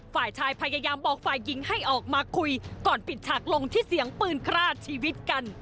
ฝ่ายชายพยายามบอกฝ่ายหญิงให้ออกมาคุยก่อนปิดฉากลงที่เสียงปืนฆ่าชีวิตกัน